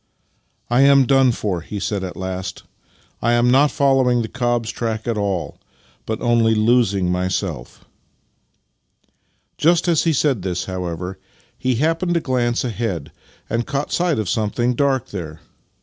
" I am done for! " he said at last. " I am not following the cob's track at all, but only losing my self." Just as he said this, however, he happened to glance ahead, and caught sight of something dark there.